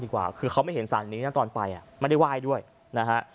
กว่าคือเขาไม่เห็นสารนี้นะตอนไปอ่ะไม่ได้ไหว้ด้วยนะฮะ